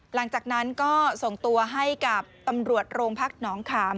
หลังจากนั้นก็ส่งตัวให้กับตำรวจโรงพักหนองขาม